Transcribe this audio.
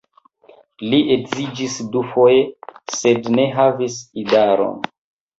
Li edziĝis dufoje, sed ne havis idaron.